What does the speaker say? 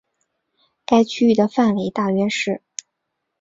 该区域的范围大约是。